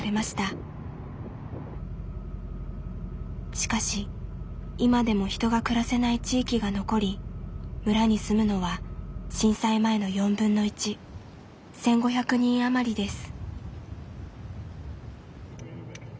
しかし今でも人が暮らせない地域が残り村に住むのは震災前の４分の１１，５００人余りです。